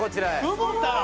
久保田。